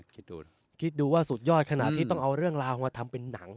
คิดดูคิดดูว่าสุดยอดขนาดที่ต้องเอาเรื่องราวมาทำเป็นหนัง